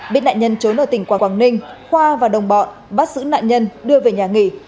biết nạn nhân trốn ở tỉnh quảng ninh khoa và đồng bọn bắt giữ nạn nhân đưa về nhà nghỉ